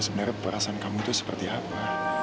sebenarnya perasaan kamu itu seperti apa